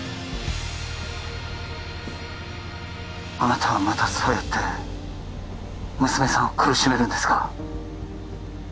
あなたはまたそうやって娘さんを苦しめるんですか？